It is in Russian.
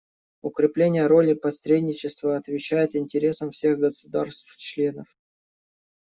Укрепление роли посредничества отвечает интересам всех государств-членов.